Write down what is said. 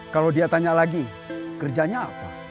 kalau dia tanya lagi kerjanya apa